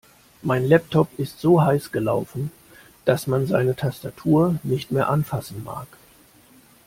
Mein Laptop ist so heiß gelaufen, dass man seine Tastatur nicht mehr anfassen mag.